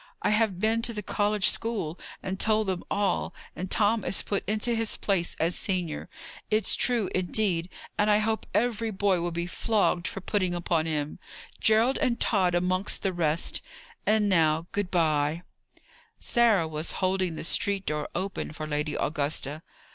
I have been to the college school, and told them all, and Tom is put into his place as senior. It's true, indeed! and I hope every boy will be flogged for putting upon him; Gerald and Tod amongst the rest. And now, good bye." Sarah was holding the street door open for Lady Augusta.